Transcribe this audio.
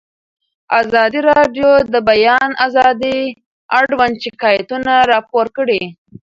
ازادي راډیو د د بیان آزادي اړوند شکایتونه راپور کړي.